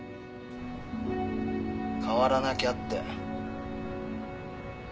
変わらなきゃって。